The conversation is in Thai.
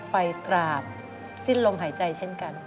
ไปตราบสิ้นลมหายใจเช่นกัน